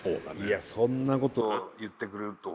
いやそんなこと言ってくれるとは思わなかったね